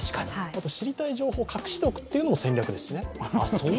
知りたい情報を隠しておくのも戦略ですよね。